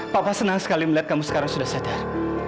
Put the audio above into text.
papa senang sekali melihat kamu sekarang sudah sadar